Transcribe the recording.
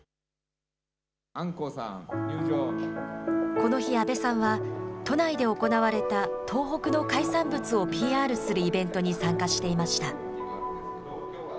この日、阿部さんは、都内で行われた東北の海産物をＰＲするイベントに参加していました。